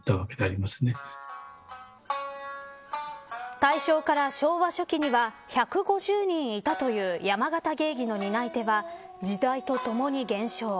大正から昭和初期には１５０人いたという山形芸妓の担い手は時代とともに減少。